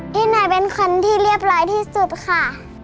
ที่ไหนเป็นคนที่เรียบร้อยที่สุดค่ะ